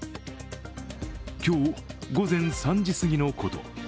今日、午前３時すぎのこと。